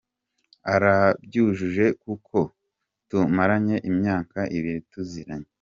Arabyujuje kuko tumaranye imyaka ibiri tuziranye.